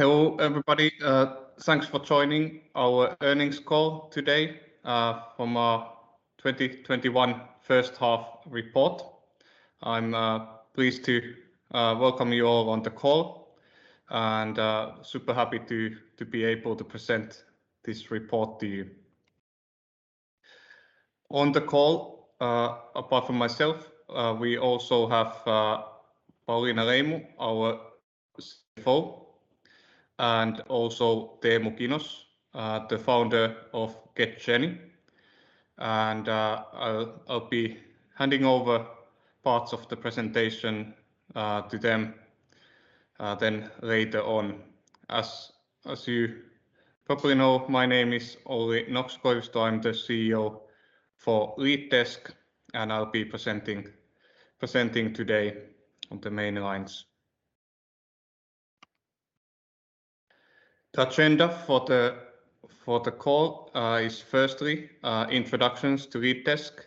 Hello everybody. Thanks for joining our earnings call today from our 2021 first half report. I'm pleased to welcome you all on the call, and super happy to be able to present this report to you. On the call, apart from myself, we also have Pauliina Leimu, our CFO, and also Teemu Kinos, the founder of GetJenny. I'll be handing over parts of the presentation to them then later on. As you probably know, my name is Olli Nokso-Koivisto. I'm the CEO for LeadDesk, and I'll be presenting today on the main lines. The agenda for the call is firstly, introductions to LeadDesk,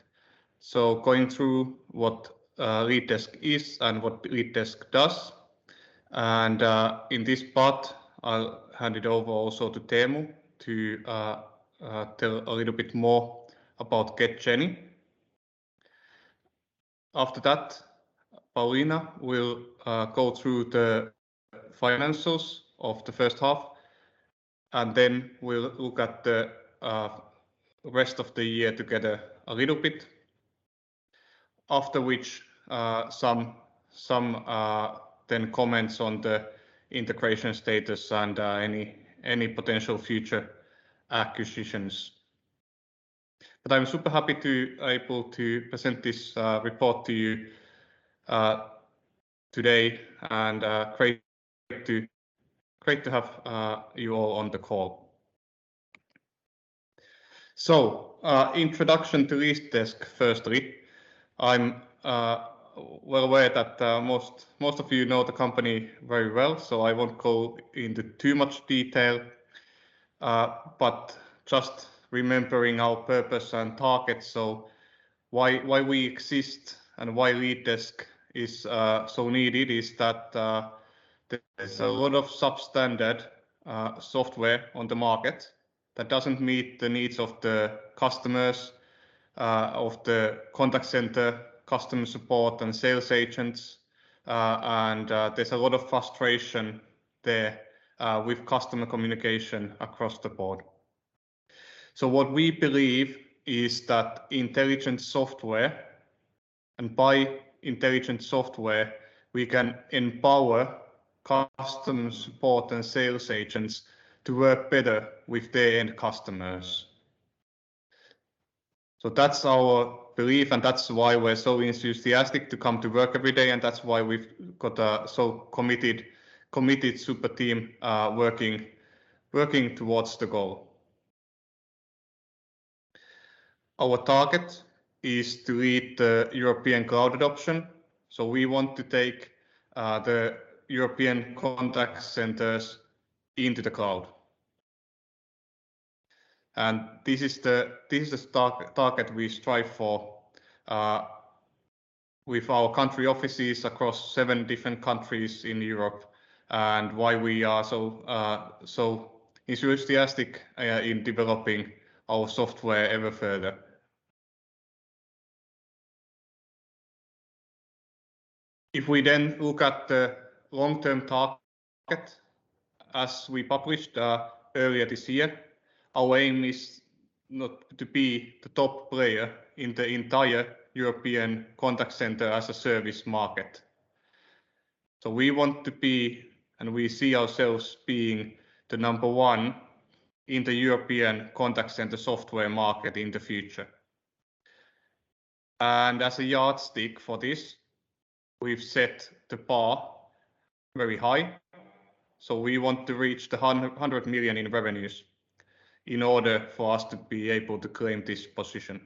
so going through what LeadDesk is and what LeadDesk does. In this part, I'll hand it over also to Teemu to tell a little bit more about GetJenny. After that, Pauliina will go through the financials of the first half, and then we'll look at the rest of the year together a little bit, after which some comments on the integration status and any potential future acquisitions. I'm super happy to able to present this report to you today, and great to have you all on the call. Introduction to LeadDesk, firstly. I'm well aware that most of you know the company very well, I won't go into too much detail. Just remembering our purpose and target, why we exist and why LeadDesk is so needed is that there's a lot of substandard software on the market that doesn't meet the needs of the customers, of the contact center customer support and sales agents. There's a lot of frustration there with customer communication across the board. What we believe is that intelligent software, and by intelligent software, we can empower customer support and sales agents to work better with their end customers. That's our belief and that's why we're so enthusiastic to come to work every day, and that's why we've got a so committed super team working towards the goal. Our target is to lead the European cloud adoption. We want to take the European contact centers into the cloud. This is the target we strive for with our country offices across seven different countries in Europe, and why we are so enthusiastic in developing our software ever further. If we then look at the long-term target, as we published earlier this year, our aim is not to be the top player in the entire European contact center as a service market. We want to be, and we see ourselves being the number one in the European contact center software market in the future. As a yardstick for this, we've set the bar very high. We want to reach the 100 million in revenues in order for us to be able to claim this position.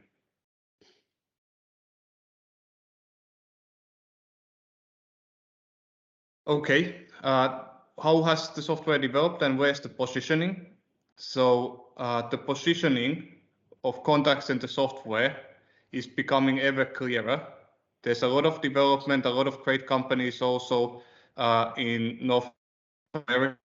Okay. How has the software developed and where's the positioning? The positioning of contact center software is becoming ever clearer. There's a lot of development, a lot of great companies also in North America,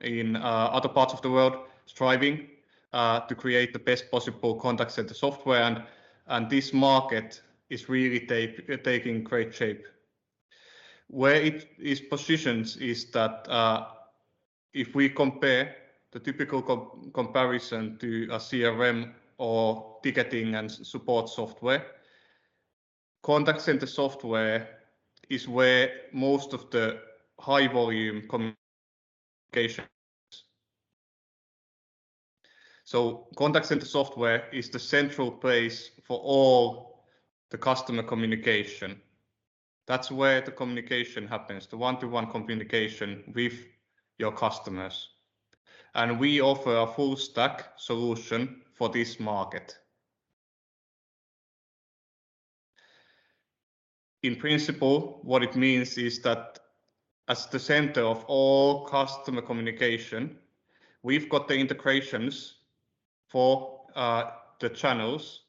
in other parts of the world, striving to create the best possible contact center software and this market is really taking great shape. Where it is positioned is that, if we compare the typical comparison to a CRM or ticketing and support software, contact center software is where most of the high volume communications. Contact center software is the central place for all the customer communication. That's where the communication happens, the one-to-one communication with your customers. We offer a full stack solution for this market. In principle, what it means is that as the center of all customer communication, we've got the integrations for the channels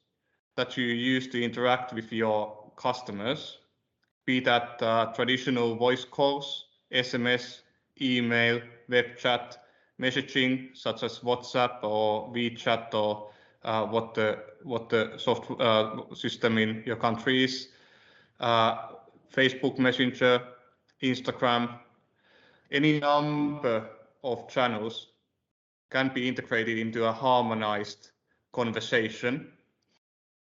that you use to interact with your customers, be that traditional voice calls, SMS, email, web chat, messaging such as WhatsApp or WeChat or what the software system in your country is, Facebook Messenger, Instagram, any number of channels can be integrated into a harmonized conversation,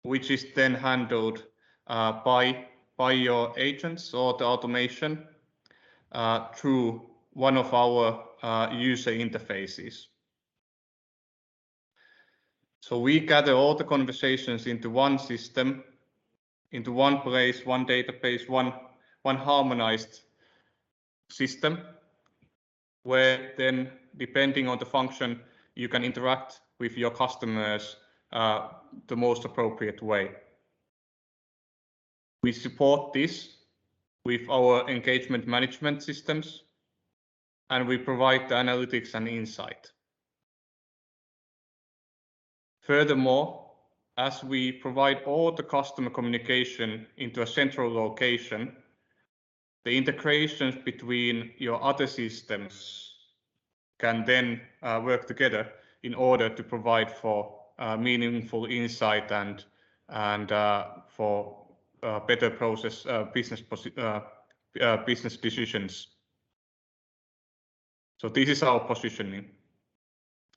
which is then handled by your agents or the automation through one of our user interfaces. We gather all the conversations into one system, into one place, one database, one harmonized system, where, depending on the function, you can interact with your customers the most appropriate way. We support this with our engagement management systems, and we provide the analytics and insight. Furthermore, as we provide all the customer communication into a central location, the integrations between your other systems can then work together in order to provide for meaningful insight and for better process business decisions. This is our positioning.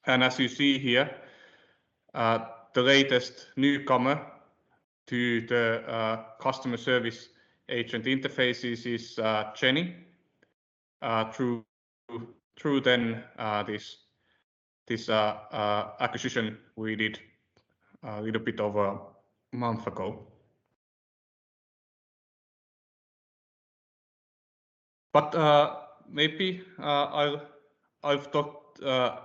As you see here, the latest newcomer to the customer service agent interfaces is Jenny through then this acquisition we did a little bit over a month ago. Maybe I've talked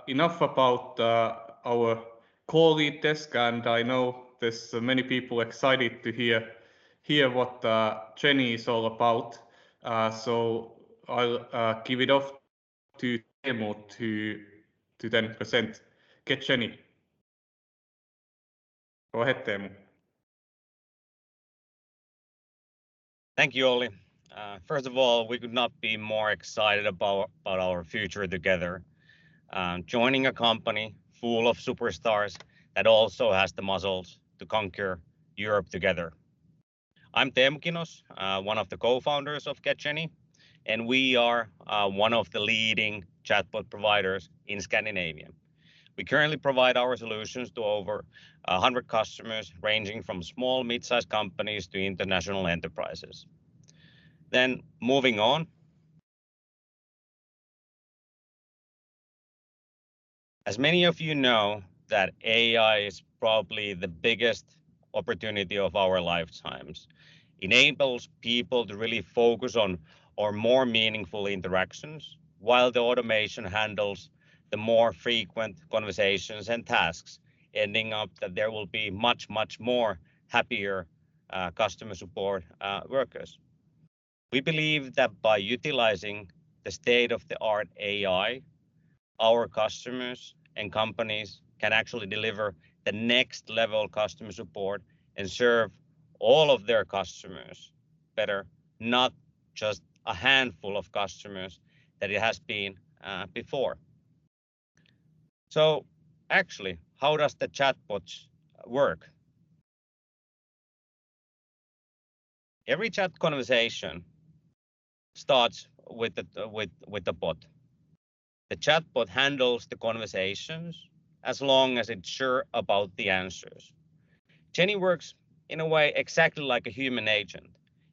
enough about our company LeadDesk and I know there's many people excited to hear what Jenny is all about, so I'll give it off to Teemu to then present GetJenny. Go ahead, Teemu. Thank you, Olli. We could not be more excited about our future together. Joining a company full of superstars that also has the muscles to conquer Europe together. I'm Teemu Kinos, one of the co-founders of GetJenny, and we are one of the leading chatbot providers in Scandinavia. We currently provide our solutions to over 100 customers, ranging from small, mid-size companies to international enterprises. Moving on. As many of you know that AI is probably the biggest opportunity of our lifetimes. It enables people to really focus on our more meaningful interactions while the automation handles the more frequent conversations and tasks, ending up that there will be much more happier customer support workers. We believe that by utilizing the state-of-the-art AI, our customers and companies can actually deliver the next-level customer support and serve all of their customers better, not just a handful of customers that it has been before. Actually, how does the chatbots work? Every chat conversation starts with the bot. The chatbot handles the conversations as long as it's sure about the answers. Jenny works in a way exactly like a human agent.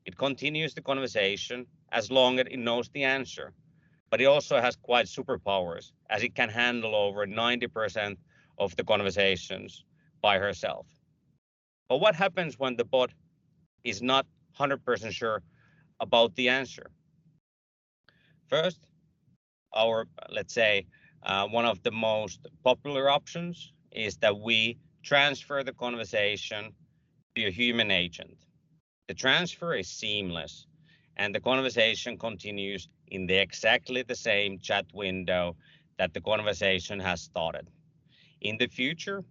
It continues the conversation as long as it knows the answer, but it also has quite superpowers as it can handle over 90% of the conversations by herself. What happens when the bot is not 100% sure about the answer? First, let's say one of the most popular options is that we transfer the conversation to a human agent. The transfer is seamless and the conversation continues in exactly the same chat window that the conversation has started. In the future,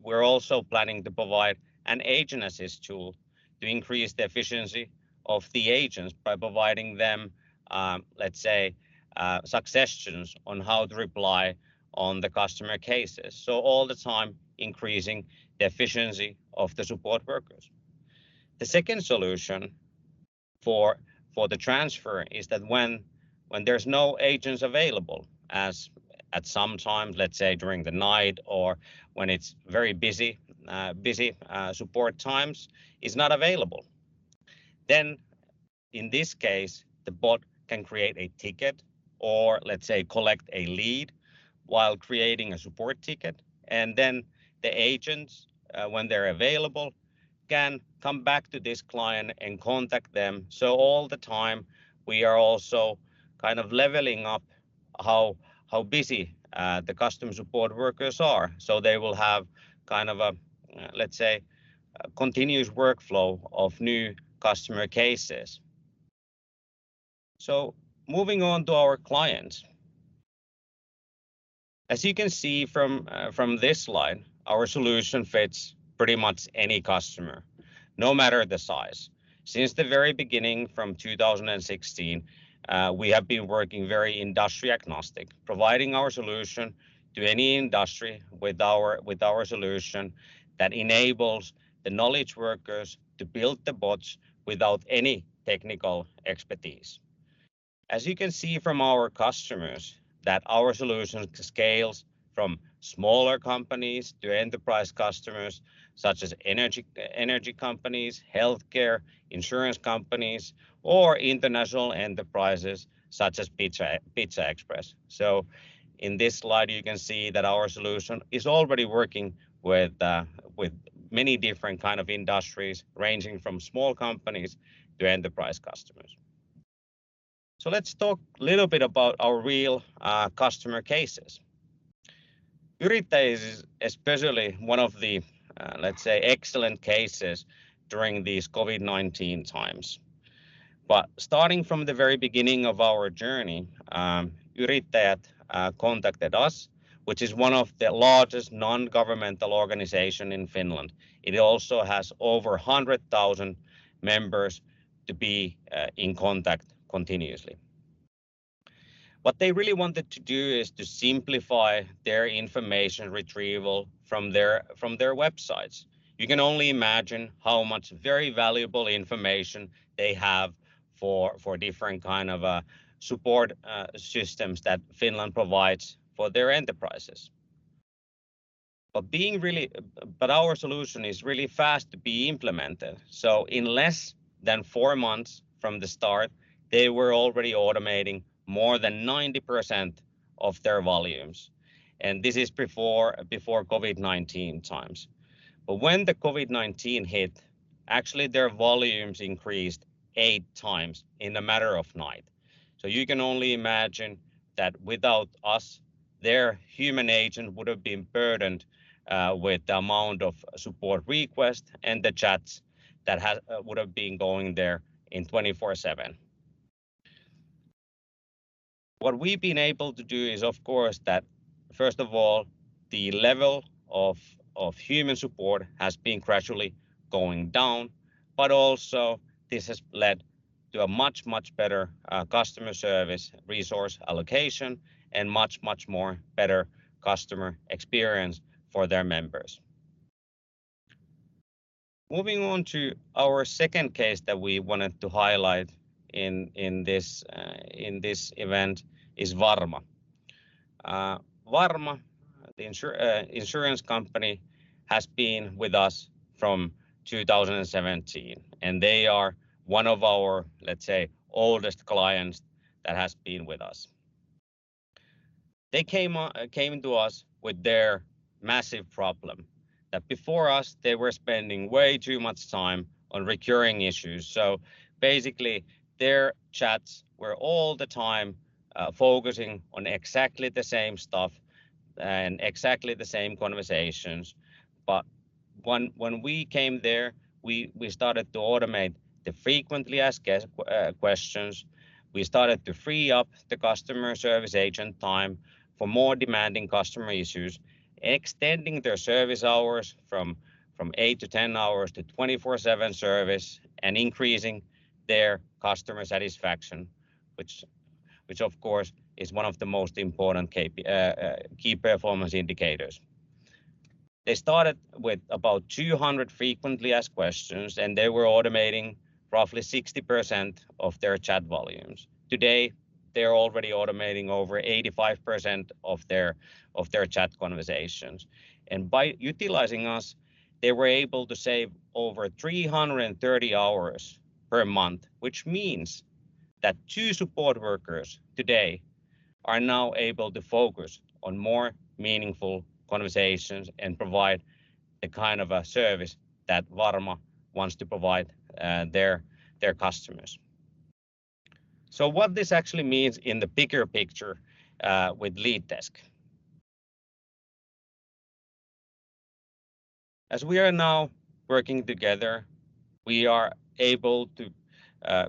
we're also planning to provide an agent assist tool to increase the efficiency of the agents by providing them suggestions on how to reply on the customer cases. All the time increasing the efficiency of the support workers. The second solution for the transfer is that when there's no agents available as at some time, let's say during the night or when it's very busy support times, is not available. In this case, the bot can create a ticket or let's say, collect a lead while creating a support ticket. The agents, when they're available, can come back to this client and contact them. All the time we are also kind of leveling up how busy the customer support workers are. They will have kind of a continuous workflow of new customer cases. Moving on to our clients. As you can see from this slide, our solution fits pretty much any customer, no matter the size. Since the very beginning, from 2016, we have been working very industry-agnostic, providing our solution to any industry with our solution that enables the knowledge workers to build the bots without any technical expertise. As you can see from our customers, that our solution scales from smaller companies to enterprise customers such as energy companies, healthcare, insurance companies, or international enterprises such as PizzaExpress. In this slide, you can see that our solution is already working with many different kind of industries, ranging from small companies to enterprise customers. Let's talk a little bit about our real customer cases. Yrittäjät is especially one of the, let's say, excellent cases during these COVID-19 times. Starting from the very beginning of our journey, Yrittäjät contacted us, which is one of the largest non-governmental organization in Finland. It also has over 100,000 members to be in contact continuously. What they really wanted to do is to simplify their information retrieval from their websites. You can only imagine how much very valuable information they have for different kind of support systems that Finland provides for their enterprises. Our solution is really fast to be implemented. In less than four months from the start, they were already automating more than 90% of their volumes, and this is before COVID-19 times. When the COVID-19 hit, actually, their volumes increased 8x in a matter of night. You can only imagine that without us, their human agent would have been burdened with the amount of support requests and the chats that would have been going there in 24/7. What we've been able to do is, of course, that first of all, the level of human support has been gradually going down, but also this has led to a much, much better customer service resource allocation and much, much more better customer experience for their members. Moving on to our second case that we wanted to highlight in this event is Varma. Varma, the insurance company, has been with us from 2017, and they are one of our, let's say, oldest clients that has been with us. They came to us with their massive problem, that before us, they were spending way too much time on recurring issues. Basically, their chats were all the time focusing on exactly the same stuff and exactly the same conversations. When we came there, we started to automate the frequently asked questions. We started to free up the customer service agent time for more demanding customer issues, extending their service hours from 8-10 hours to 24/7 service, and increasing their customer satisfaction, which of course, is one of the most important key performance indicators. They started with about 200 frequently asked questions, and they were automating roughly 60% of their chat volumes. Today, they're already automating over 85% of their chat conversations. By utilizing us, they were able to save over 330 hours per month, which means that two support workers today are now able to focus on more meaningful conversations and provide the kind of a service that Varma wants to provide their customers. What this actually means in the bigger picture with LeadDesk. As we are now working together, we are able to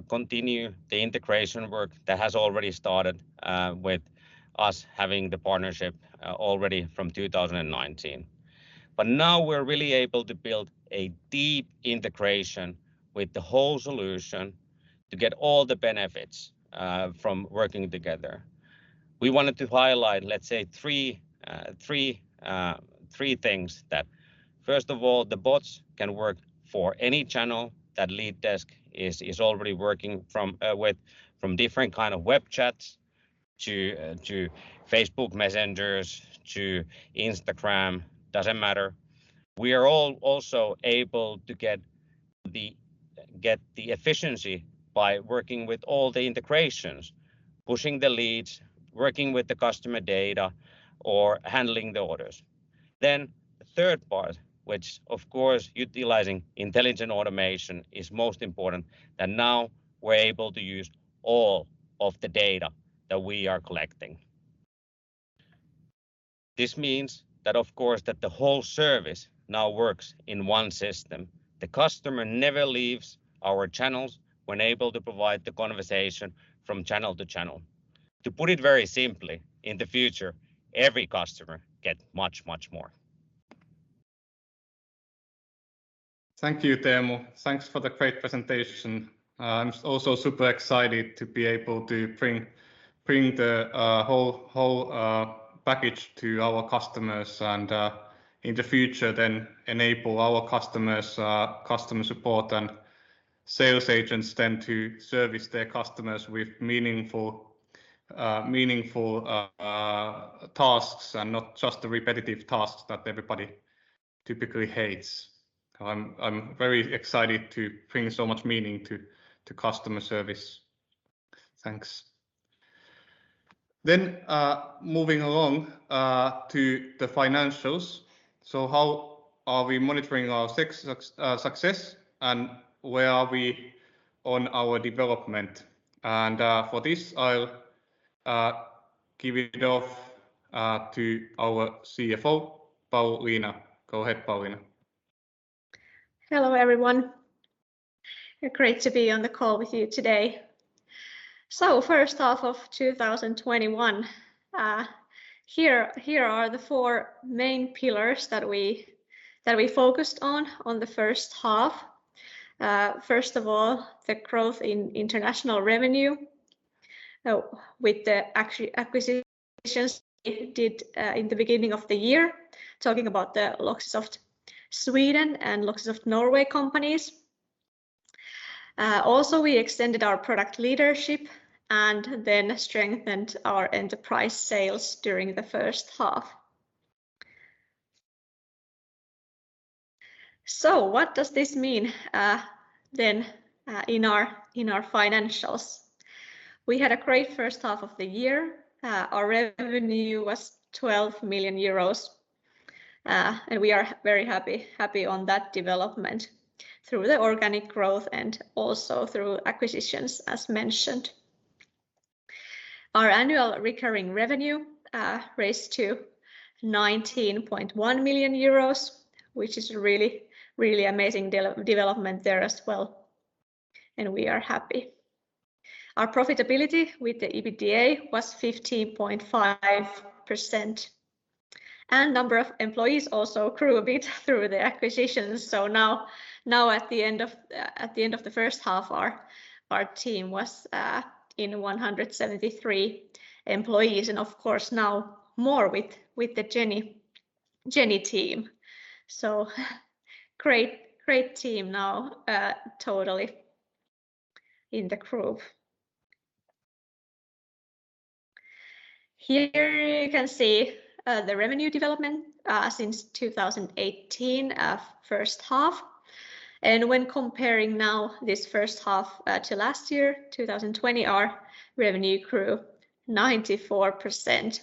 continue the integration work that has already started with us having the partnership already from 2019. Now we're really able to build a deep integration with the whole solution to get all the benefits from working together. We wanted to highlight, let's say, three things that, first of all, the bots can work for any channel that LeadDesk is already working with, from different kind of web chats to Facebook Messenger to Instagram, doesn't matter. We are all also able to get the efficiency by working with all the integrations, pushing the leads, working with the customer data, or handling the orders. The third part, which of course, utilizing intelligent automation, is most important, that now we're able to use all of the data that we are collecting. This means that, of course, that the whole service now works in one system. The customer never leaves our channels. We're able to provide the conversation from channel to channel. To put it very simply, in the future, every customer get much, much more. Thank you, Teemu. Thanks for the great presentation. I'm also super excited to be able to bring the whole package to our customers and, in the future, then enable our customer support and sales agents then to service their customers with meaningful tasks and not just the repetitive tasks that everybody typically hates. I'm very excited to bring so much meaning to customer service. Thanks. Moving along to the financials. How are we monitoring our success, and where are we on our development? For this, I'll give it off to our CFO, Pauliina. Go ahead, Pauliina. Hello, everyone. Great to be on the call with you today. First half of 2021, here are the four main pillars that we focused on the first half. First of all, the growth in international revenue. With the acquisitions we did in the beginning of the year, talking about the Loxysoft AB and Loxysoft AS companies. Also, we extended our product leadership and then strengthened our enterprise sales during the first half. What does this mean, then, in our financials? We had a great first half of the year. Our revenue was 12 million euros. We are very happy on that development through the organic growth and also through acquisitions, as mentioned. Our annual recurring revenue raised to 19.1 million euros, which is a really amazing development there as well, and we are happy. Our profitability with the EBITDA was 15.5%, and number of employees also grew a bit through the acquisitions. Now at the end of the first half, our team was in 173 employees and, of course, now more with the GetJenny team. Great team now, totally in the groove. Here you can see the revenue development since 2018 first half. When comparing now this first half to last year, 2020, our revenue grew 94%,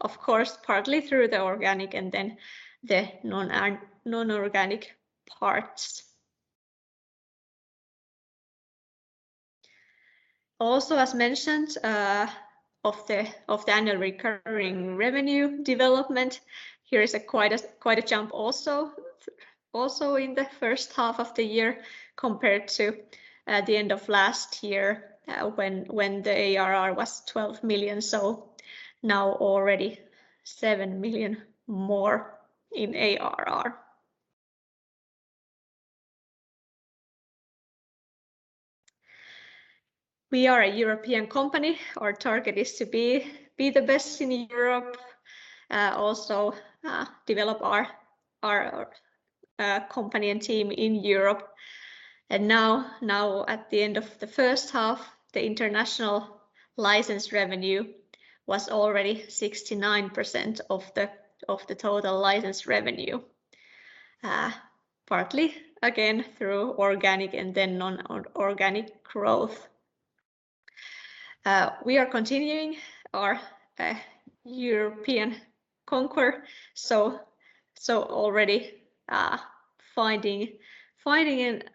of course, partly through the organic and then the non-organic parts. Also, as mentioned, of the annual recurring revenue development, here is quite a jump also in the first half of the year compared to the end of last year, when the ARR was 12 million. Now already 7 million more in ARR. We are a European company. Our target is to be the best in Europe, also develop our company and team in Europe. Now at the end of the first half, the international licensed revenue was already 69% of the total licensed revenue, partly, again, through organic and then non-organic growth. We are continuing our European conquer, so already finding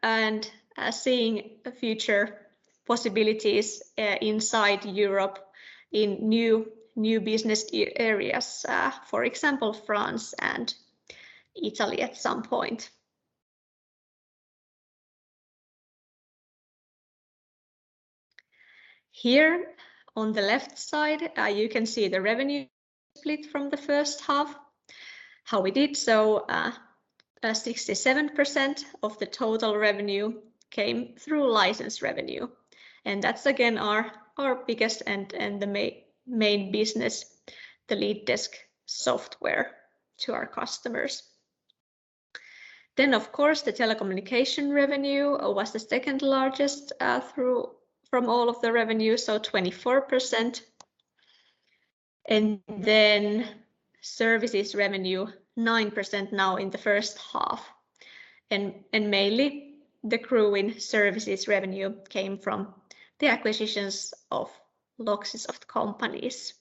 and seeing future possibilities inside Europe in new business areas. For example, France and Italy at some point. Here, on the left side, you can see the revenue split from the first half, how we did. 67% of the total revenue came through licensed revenue, and that's, again, our biggest and the main business, the LeadDesk software to our customers. Of course, the telecommunication revenue was the second-largest from all of the revenue, so 24%. Services revenue, 9% now in the first half. Mainly the growing services revenue came from the acquisitions of Loxysoft companies.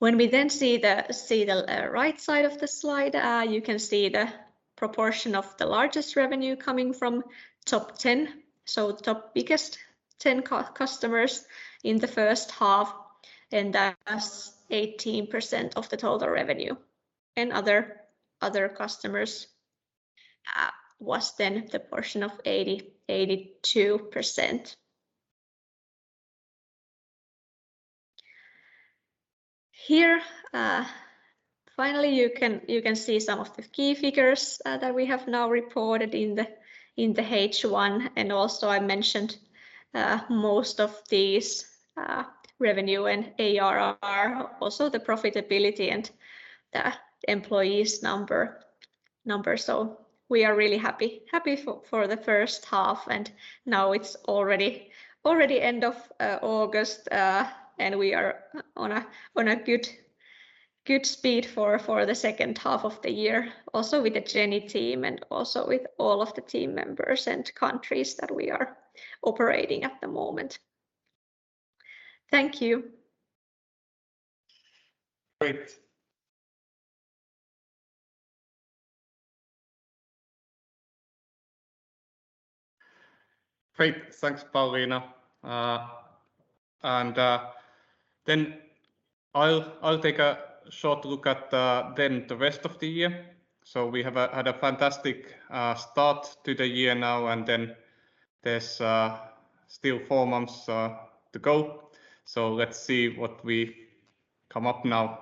We then see the right side of the slide, you can see the proportion of the largest revenue coming from top 10, so top biggest 10 customers in the first half, and that's 18% of the total revenue. Other customers was then the portion of 82%. Here, finally, you can see some of the key figures that we have now reported in the H1, and also I mentioned most of these revenue and ARR, also the profitability and the employees number. We are really happy for the first half, and now it's already end of August, and we are on a good speed for the second half of the year, also with the GetJenny team and also with all of the team members and countries that we are operating at the moment. Thank you. Great. Thanks, Pauliina. I'll take a short look at then the rest of the year. We have had a fantastic start to the year now, there's still four months to go. Let's see what we come up now.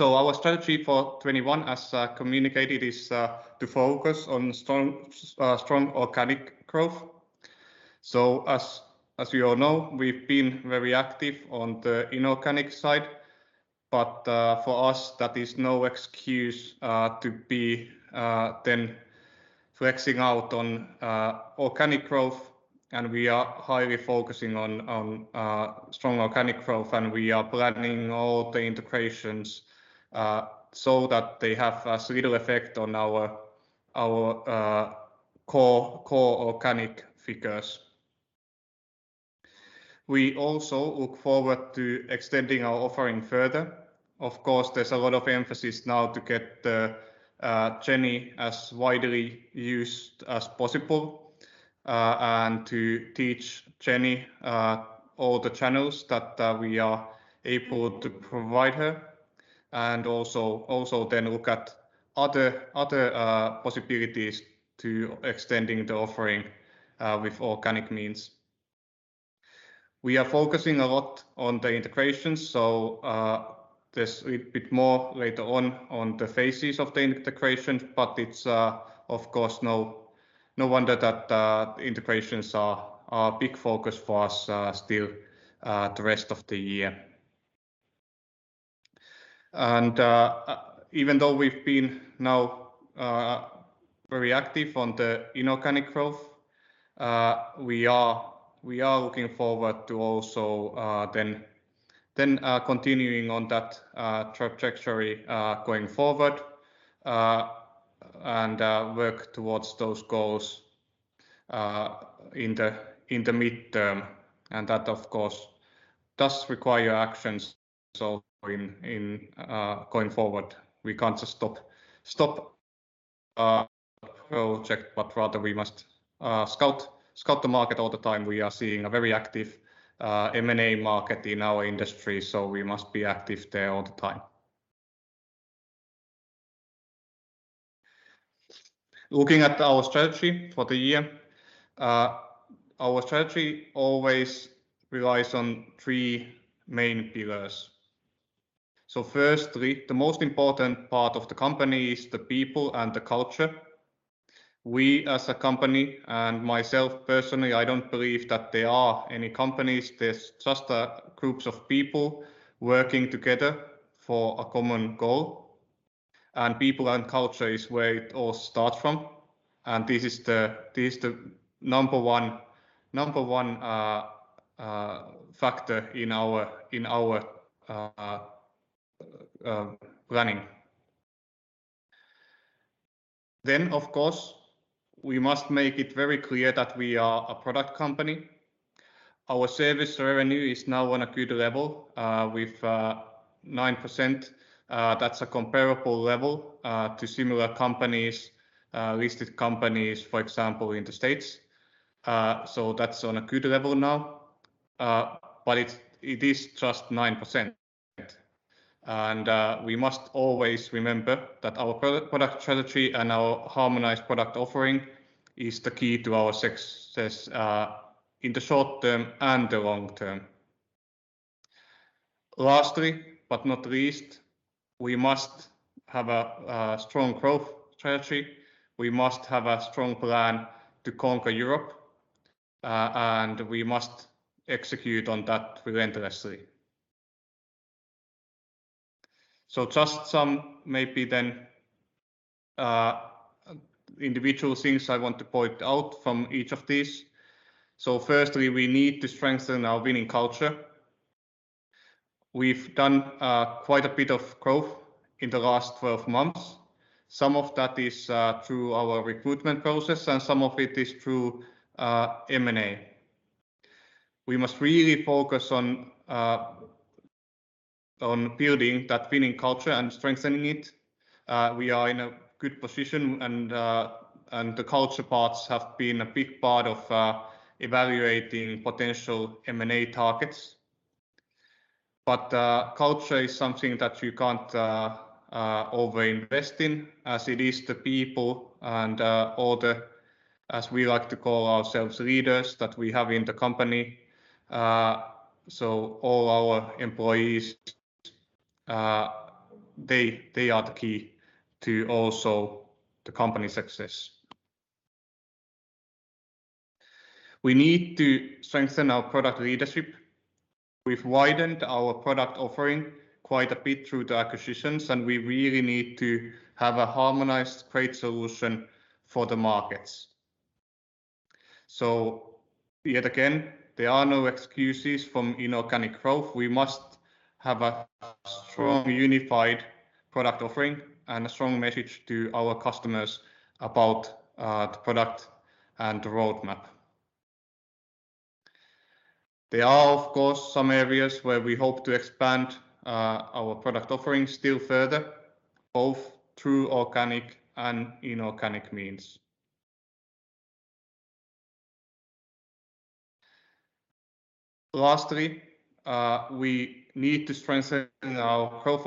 Our strategy for 2021, as communicated, is to focus on strong organic growth. As you all know, we've been very active on the inorganic side, for us that is no excuse to be then flexing out on organic growth, we are highly focusing on strong organic growth, we are planning all the integrations so that they have as little effect on our core organic figures. We also look forward to extending our offering further. Of course, there's a lot of emphasis now to GetJenny as widely used as possible, and to teach GetJenny all the channels that we are able to provide her, and also then look at other possibilities to extending the offering with organic means. We are focusing a lot on the integrations, so there's a bit more later on the phases of the integration, but it's of course no wonder that integrations are a big focus for us still the rest of the year. Even though we've been now very active on the inorganic growth, we are looking forward to also then continuing on that trajectory going forward, and work towards those goals in the midterm. That, of course, does require actions also in going forward. We can't just stop a project, but rather we must scout the market all the time. We are seeing a very active M&A market in our industry, so we must be active there all the time. Looking at our strategy for the year, our strategy always relies on three main pillars. Firstly, the most important part of the company is the people and the culture. We, as a company, and myself personally, I don't believe that there are any companies. There's just groups of people working together for a common goal, and people and culture is where it all starts from, and this is the number one factor in our planning. Of course, we must make it very clear that we are a product company. Our service revenue is now on a good level with 9%. That's a comparable level to similar companies, listed companies, for example, in the U.S. That's on a good level now, but it is just 9%. We must always remember that our product strategy and our harmonized product offering is the key to our success in the short term and the long term. Lastly, but not least, we must have a strong growth strategy. We must have a strong plan to conquer Europe, and we must execute on that relentlessly. Just some maybe then individual things I want to point out from each of these. Firstly, we need to strengthen our winning culture. We've done quite a bit of growth in the last 12 months. Some of that is through our recruitment process, and some of it is through M&A. We must really focus on building that winning culture and strengthening it. We are in a good position and the culture parts have been a big part of evaluating potential M&A targets. Culture is something that you can't over-invest in, as it is the people and all the, as we like to call ourselves, leaders that we have in the company. All our employees, they are the key to also the company success. We need to strengthen our product leadership. We've widened our product offering quite a bit through the acquisitions, and we really need to have a harmonized great solution for the markets. Yet again, there are no excuses from inorganic growth. We must have a strong unified product offering and a strong message to our customers about the product and the roadmap. There are, of course, some areas where we hope to expand our product offerings still further, both through organic and inorganic means. Lastly, we need to strengthen our growth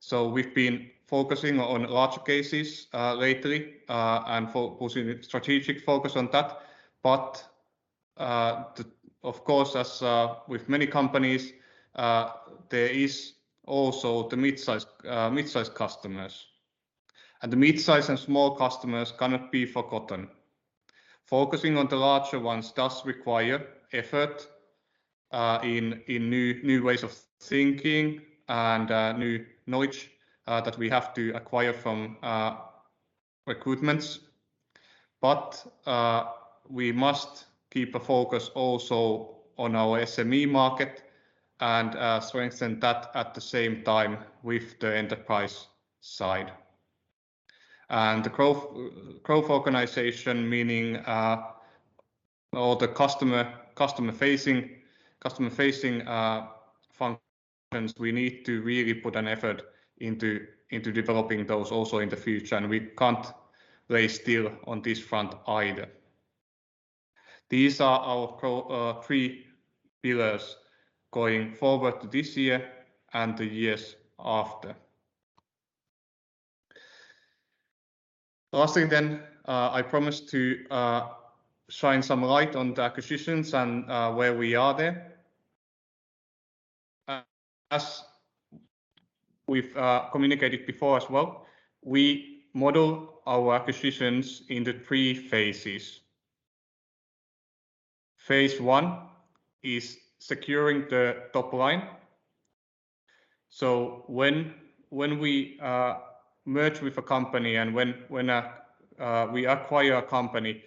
organization. We've been focusing on larger cases lately and putting a strategic focus on that. Of course, as with many companies, there is also the mid-size customers. The mid-size and small customers cannot be forgotten. Focusing on the larger ones does require effort in new ways of thinking and new knowledge that we have to acquire from recruitments. We must keep a focus also on our SME market and strengthen that at the same time with the enterprise side. The growth organization, meaning all the customer-facing functions, we need to really put an effort into developing those also in the future, and we can't lay still on this front either. These are our three pillars going forward to this year and the years after. Last thing then, I promised to shine some light on the acquisitions and where we are there. As we've communicated before as well, we model our acquisitions in the three phases. Phase I is securing the top line. When we merge with a company and when we acquire a company,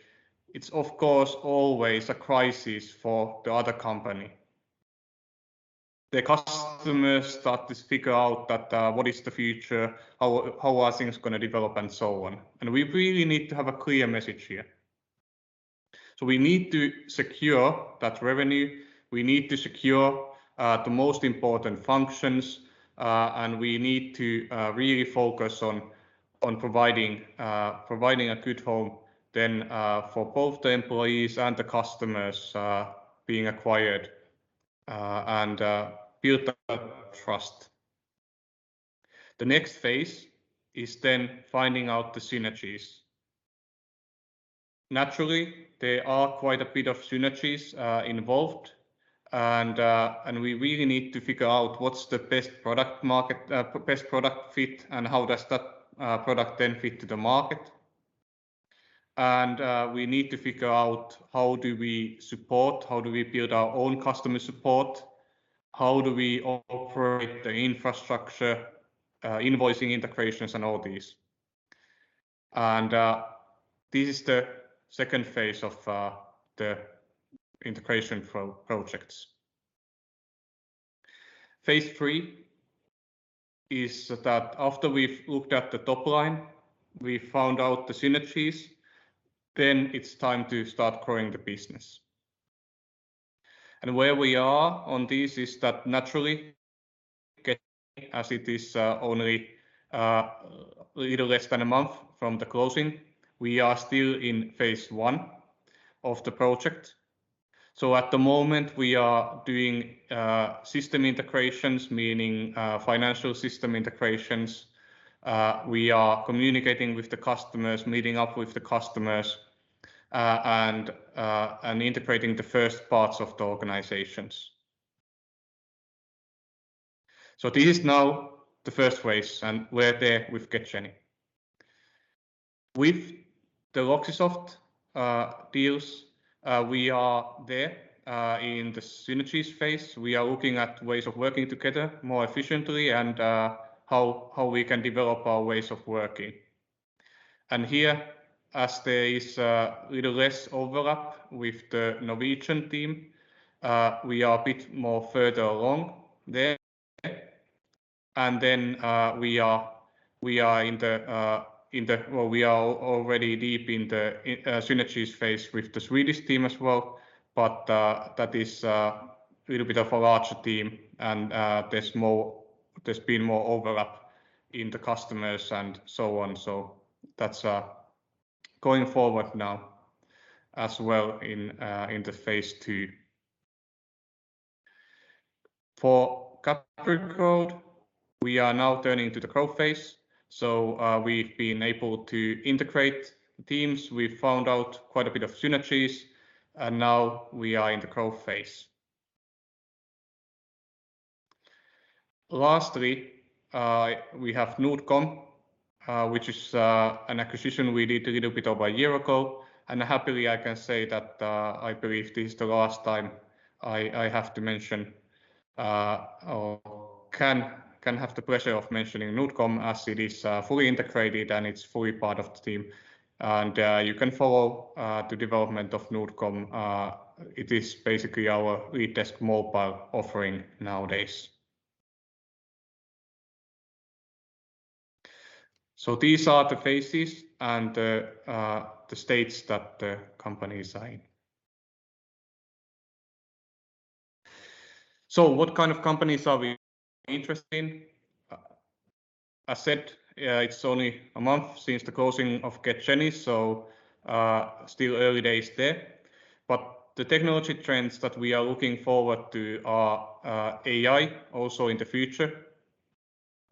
it's of course always a crisis for the other company. Their customers start to figure out that what is the future, how are things going to develop and so on. We really need to have a clear message here. We need to secure that revenue, we need to secure the most important functions, and we need to really focus on providing a good home then for both the employees and the customers being acquired and build that trust. The next phase is then finding out the synergies. Naturally, there are quite a bit of synergies involved, and we really need to figure out what's the best product fit and how does that product then fit to the market. We need to figure out how do we support, how do we build our own customer support, how do we operate the infrastructure, invoicing integrations and all these. This is the phase II of the integration projects. Phase III is that after we've looked at the top line, we found out the synergies, then it's time to start growing the business. Where we are on this is that naturally, as it is only a little less than one month from the closing, we are still in phase I of the project. At the moment we are doing system integrations, meaning financial system integrations. We are communicating with the customers, meeting up with the customers and integrating the first parts of the organizations. This is now the phase I, and we're there with GetJenny. With the Loxysoft deals, we are there in the synergies phase. We are looking at ways of working together more efficiently and how we can develop our ways of working. Here, as there is a little less overlap with the Norwegian team, we are a bit more further along there. Then we are already deep in the synergies phase with the Swedish team as well, but that is a little bit of a larger team, and there's been more overlap in the customers and so on. That's going forward now as well in the phase II. For Capricode, we are now turning to the growth phase. We've been able to integrate teams. We found out quite a bit of synergies, and now we are in the growth phase. Lastly, we have Nordcom, which is an acquisition we did a little bit over a year ago. Happily, I can say that I believe this is the last time I have to mention or can have the pleasure of mentioning Nordcom as it is fully integrated and it's fully part of the team. You can follow the development of Nordcom. It is basically our LeadDesk Mobile offering nowadays. These are the phases and the states that the companies are in. What kind of companies are we interested in? I said it's only a month since the closing of GetJenny, still early days there. The technology trends that we are looking forward to are AI also in the future.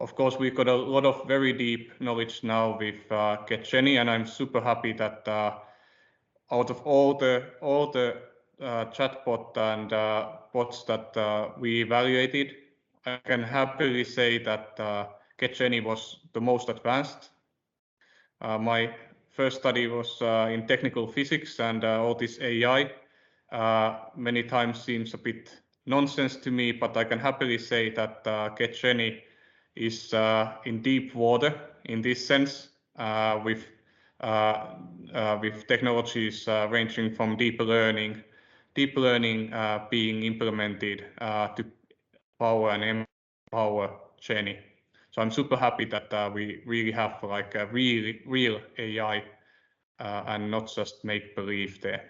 Of course, we've got a lot of very deep knowledge now with GetJenny, and I'm super happy that out of all the chatbot and bots that we evaluated, I can happily say that GetJenny was the most advanced. My first study was in technical physics and all this AI many times seems a bit nonsense to me, but I can happily say that GetJenny is in deep water in this sense with technologies ranging from deep learning being implemented to power Jenny. I'm super happy that we really have a real AI and not just make-believe there.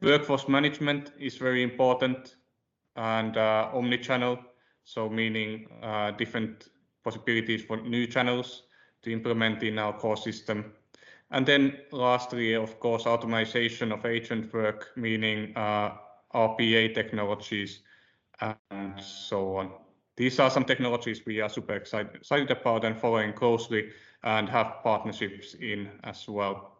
Workforce management is very important and omnichannel, so meaning different possibilities for new channels to implement in our core system. Lastly, of course, automation of agent work, meaning RPA technologies and so on. These are some technologies we are super excited about and following closely and have partnerships in as well.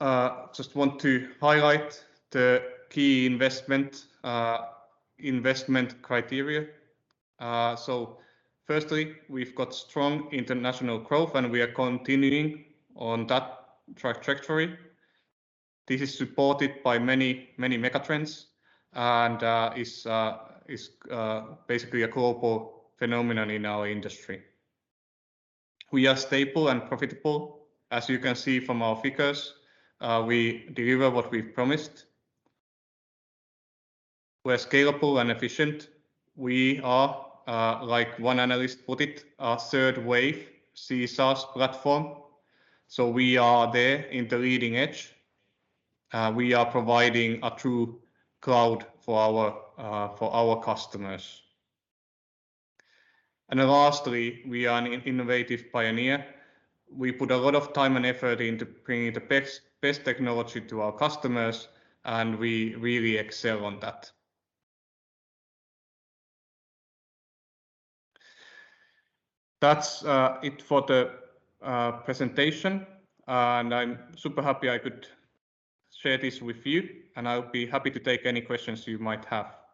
I just want to highlight the key investment criteria. Firstly, we've got strong international growth and we are continuing on that trajectory. This is supported by many mega trends and is basically a global phenomenon in our industry. We are stable and profitable. As you can see from our figures, we deliver what we've promised. We're scalable and efficient. We are like one analyst put it, a third wave CCaaS platform. We are there on the leading edge. We are providing a true cloud for our customers. Lastly, we are an innovative pioneer. We put a lot of time and effort into bringing the best technology to our customers, and we really excel in that. That's it for the presentation, and I'm super happy I could share this with you, and I'll be happy to take any questions you might have.